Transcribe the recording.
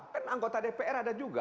kan anggota dpr ada juga